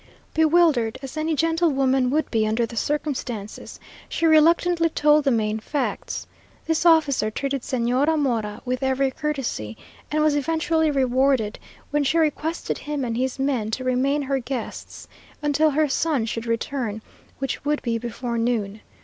Bewildered, as any gentlewoman would be under the circumstances, she reluctantly told the main facts. This officer treated Señora Mora with every courtesy, and was eventually rewarded when she requested him and his men to remain her guests until her son should return, which would be before noon.